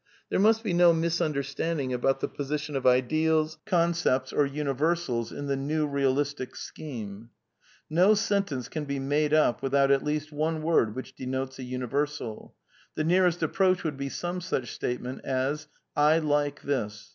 There must be no misunderstanding about the position of ideals, concepts, or " universals " in the New Eealistic scheme. '^No sentence can be made up without at least one word which denotes a universal. The nearest approach would be some such statement as ' I like this.'